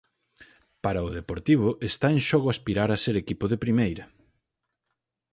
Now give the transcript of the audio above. Para o Deportivo está en xogo aspirar a ser equipo de primeira.